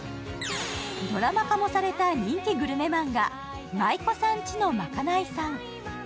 ドラマ化もされた人気グルメマンガ、「舞妓さんちのまかないさん」